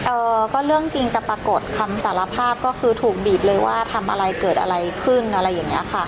เอ่อก็เรื่องจริงจะปรากฏคำสารภาพก็คือถูกบีบเลยว่าทำอะไรเกิดอะไรขึ้นอะไรอย่างเงี้ยค่ะ